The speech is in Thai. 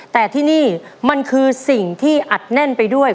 แต่ที่นี่มันคือสิ่งที่อัดแน่นไปด้วย